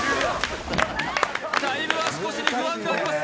だいぶ足腰に不安があります。